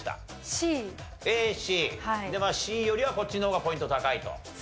Ｃよりはこっちの方がポイント高いと思って？